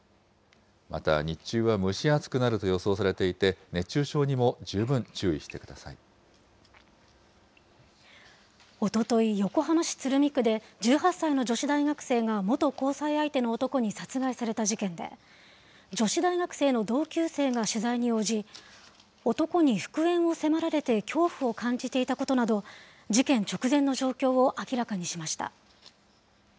また日中は蒸し暑くなると予想されていて、熱中症にも十分注意しおととい、横浜市鶴見区で１８歳の女子大学生が、元交際相手の男に殺害された事件で、女子大学生の同級生が取材に応じ、男に復縁を迫られて恐怖を感じていたことなど、事件直前の状況を明らかにしました。